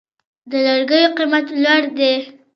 د لرګیو قیمت لوړ دی؟